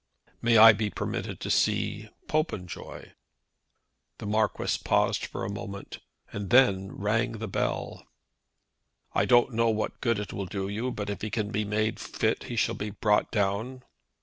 "May I be permitted to see Popenjoy?" The Marquis paused a moment, and then rang the bell. "I don't know what good it will do you, but if he can be made fit he shall be brought down."